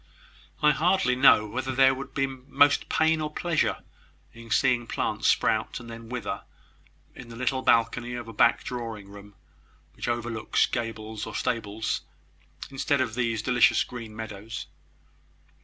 "I hardly know whether there would be most pain or pleasure in seeing plants sprout, and then wither, in the little balcony of a back drawing room, which overlooks gables or stables, instead of these delicious green meadows."